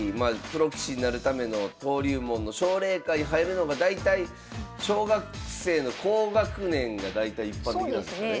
プロ棋士になるための登竜門の奨励会入るのが大体小学生の高学年が大体一般的なんですかね。